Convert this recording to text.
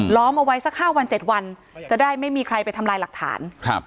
ล้อมเอาไว้สัก๕วัน๗วันจะได้ไม่มีใครไปทำลายหลักฐานครับ